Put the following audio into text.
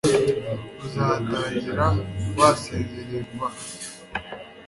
Uzatangira wasinziriye vuba aha